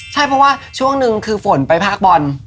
ใช่เพราะว่าช่วงนึงคือฝนไปภาคบอล